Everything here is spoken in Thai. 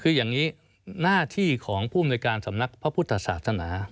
คืออย่างนี้หน้าที่ของผู้อำนวยการสำนักพระพุทธศาสนา